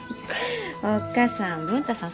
おっ母さん文太さん